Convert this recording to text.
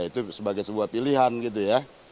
itu sebagai sebuah pilihan gitu ya